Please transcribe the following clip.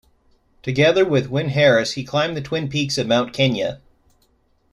Together with Wyn-Harris he climbed the twin peaks of Mount Kenya.